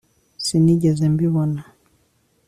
sinigeze mbibona